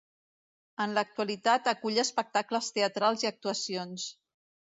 En l'actualitat acull espectacles teatrals i actuacions.